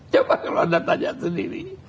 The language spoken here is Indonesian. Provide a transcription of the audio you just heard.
coba kalau anda tanya sendiri